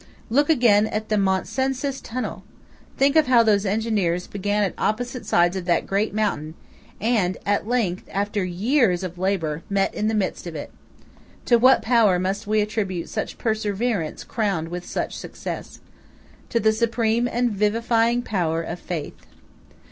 Look again at the Mont Cenis tunnel! Think of how those engineers began at opposite sides of that great mountain, and at length, after years of labour, met in the midst of it. To what power must we attribute such perseverance crowned with such success? To the supreme and vivifying power of Faith.